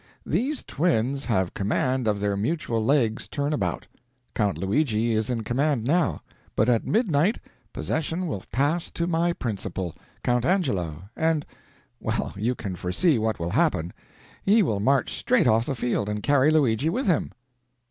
These twins have command of their mutual legs turn about. Count Luigi is in command now; but at midnight, possession will pass to my principal, Count Angelo, and well, you can foresee what will happen. He will march straight off the field, and carry Luigi with him."